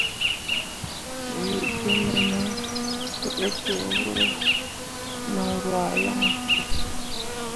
We ge me ne biɗǝkke mor rwah yan be.